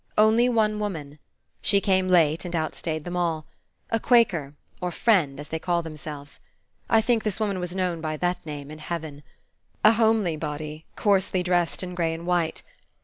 Only one woman. She came late, and outstayed them all. A Quaker, or Friend, as they call themselves. I think this woman Was known by that name in heaven. A homely body, coarsely dressed in gray and white.